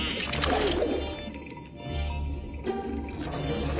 うん。